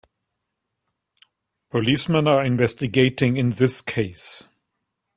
Policemen are investigating in this case.